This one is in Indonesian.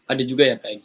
ada juga yang kayak